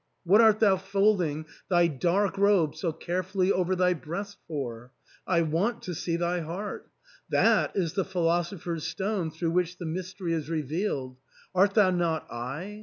What art thou folding thy dark robe so carefully over thy breast for ? I want to see thy heart ; that is the philosopher's stone through which the mystery is revealed. Art thou not I